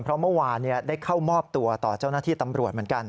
เพราะเมื่อวานได้เข้ามอบตัวต่อเจ้าหน้าที่ตำรวจเหมือนกัน